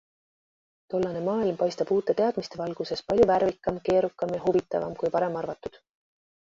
Tollane maailm paistab uute teadmiste valguses palju värvikam, keerukam ja huvitavam kui varem arvatud.